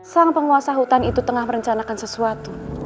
sang penguasa hutan itu tengah merencanakan sesuatu